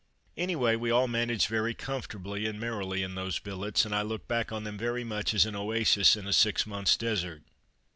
Anyway, we all managed very comfortably and merrily in those billets, and I look back on them very much as an oasis in a six months' desert.